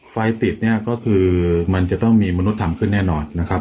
ไฟติดเนี่ยก็คือมันจะต้องมีมนุษย์ทำขึ้นแน่นอนนะครับ